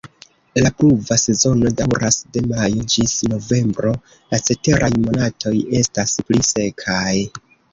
La pluva sezono daŭras de majo ĝis novembro, la ceteraj monatoj estas pli sekaj.